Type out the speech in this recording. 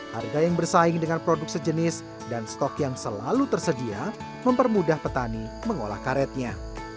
harga yang bersaing dengan produk sejenis dan stok yang selalu tersedia mempermudah petani mengolah karetnya